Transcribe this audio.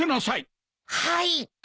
はい。